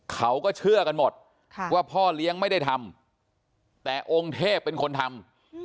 เขาก็เชื่อกันหมดว่าพ่อเลี้ยงไม่ได้ทำแต่องค์เทพเป็นคนทำ